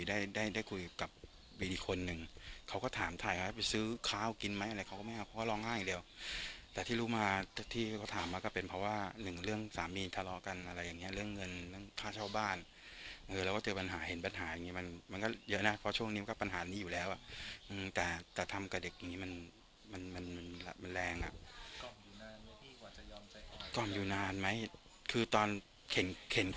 ได้ได้คุยกับวินอีกคนนึงเขาก็ถามถ่ายว่าไปซื้อข้าวกินไหมอะไรเขาก็ไม่เอาเพราะร้องไห้อย่างเดียวแต่ที่รู้มาที่เขาถามมาก็เป็นเพราะว่าหนึ่งเรื่องสามีทะเลาะกันอะไรอย่างเงี้เรื่องเงินเรื่องค่าเช่าบ้านเออเราก็เจอปัญหาเห็นปัญหาอย่างงี้มันมันก็เยอะนะเพราะช่วงนี้มันก็ปัญหานี้อยู่แล้วอ่ะแต่แต่ทำกับเด็กอย่างงี้มันมันแรงอ่ะ